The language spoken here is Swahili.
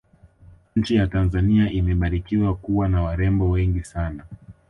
nchi ya tanzania imebarikiwa kuwa na warembo wengi sana